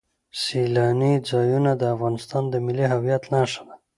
سیلاني ځایونه د افغانستان د ملي هویت نښه ده.